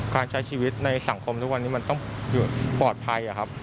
การใช้ชีวิตในสังคมทุกวันนี้มันต้องอยู่ปลอดภัยครับ